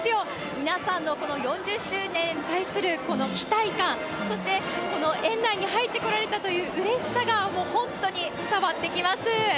皆さんのこの４０周年に対するこの期待感、そして、この園内に入ってこられたといううれしさがもう本当に伝わってきます。